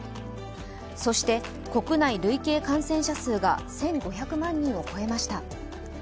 そして、国内累計感染者数が１５００万人を超えました。